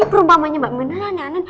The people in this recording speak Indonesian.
ini perubahannya mbak mirna aneh aneh